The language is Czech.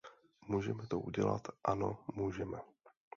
Můžeme to udělat; ano, můžeme.